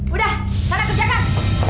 udah sekarang kerjakan